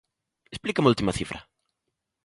Explíqueme a última cifra.